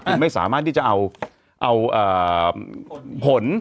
คุณไม่สามารถที่จะเอาผล